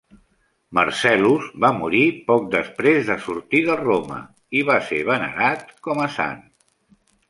Marcellus va morir poc després de sortir de Roma, i va ser venerat com a sant.